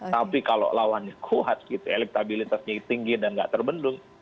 tapi kalau lawannya kuat gitu elektabilitasnya tinggi dan nggak terbendung